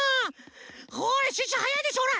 ほらシュッシュはやいでしょほら！